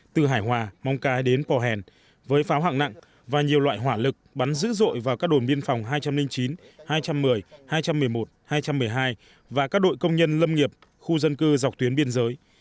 từ hải hòa mong cái đến pò hèn với pháo hạng nặng và nhiều loại hỏa lực bắn dữ dội vào các đồn biên phòng hai trăm linh chín hai trăm một mươi hai trăm một mươi một hai trăm một mươi hai và các đội công nhân lâm nghiệp khu dân cư dọc tuyến biên giới